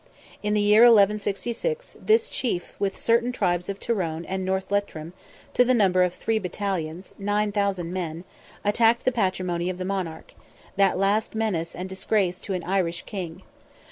In the year 1166, this chief, with certain tribes of Tyrone and North Leitrim, to the number of three battalions (9,000 men), attacked the patrimony of the monarch—that last menace and disgrace to an Irish king.